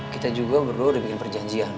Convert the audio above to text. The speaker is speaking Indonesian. kita juga berdua udah bikin perjanjian